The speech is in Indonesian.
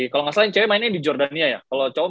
kalo gak salah cewek mainnya di jordania ya kalo cowok